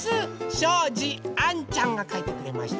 しょうじあんちゃんがかいてくれました。